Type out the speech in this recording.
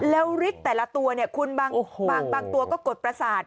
แล้วฤทธิ์แต่ละตัวเนี่ยคุณบางตัวก็กดประสาท